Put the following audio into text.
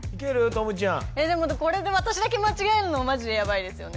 十夢ちゃんでもこれで私だけ間違えんのマジでやばいですよね